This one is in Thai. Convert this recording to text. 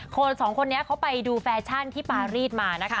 ๒คนไปดูแฟชั่นที่ปารีดมา